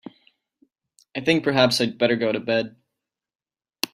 I think perhaps I'd better go to bed.